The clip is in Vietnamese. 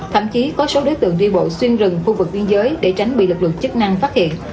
thậm chí có số đối tượng đi bộ xuyên rừng khu vực biên giới để tránh bị lực lượng chức năng phát hiện